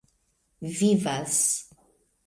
vivas